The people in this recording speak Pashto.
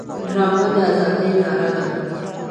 ډرامه د ازادۍ ناره ده